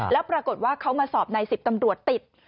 แล้วปรากฏว่าเขามาสอบใน๑๐ตำรวจติด